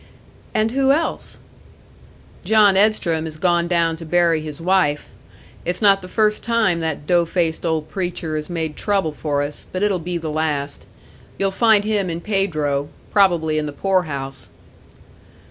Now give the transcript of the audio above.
"And who else?" "John Edstrom has gone down to bury his wife. It's not the first time that dough faced old preacher has made trouble for us, but it'll be the last. You'll find him in Pedro probably in the poor house."